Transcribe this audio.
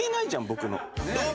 僕の。